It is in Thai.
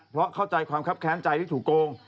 เพราะเข้าใจความคับแค้นใจที่ถูกโกง